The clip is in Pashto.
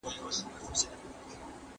یم وهلی ستا د سترګو اثر یاره